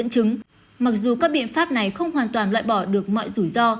các biện pháp này không hoàn toàn loại bỏ được mọi rủi ro